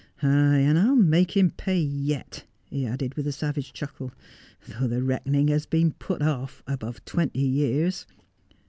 Ay, and I'll make him pay yet,' he added with a savage chuckle, ' though the reckoning has been put off above twenty years.'